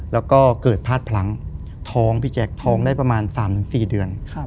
แล้วก็เกิดพลาดพลั้งท้องพี่แจ๊คท้องได้ประมาณ๓๔เดือน